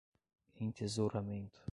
Entesouramento